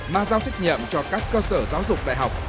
mà giao trách nhiệm cho các cơ sở giáo dục đại học